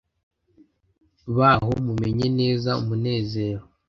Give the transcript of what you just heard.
Baho mumenye neza umunezero